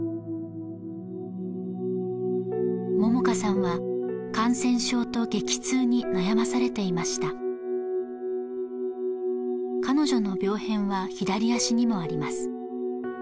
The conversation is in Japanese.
萌々花さんは感染症と激痛に悩まされていました彼女の病変は左足にもあります